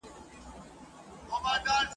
نړوي به سوځوي به !.